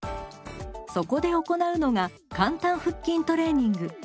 そこで行うのが「かんたん腹筋トレーニング」。